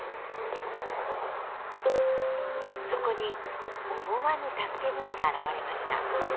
そこに思わぬ助け船が現れました。